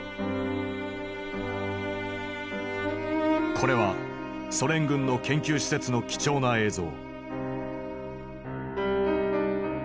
これはソ連軍の研究施設の貴重な映像。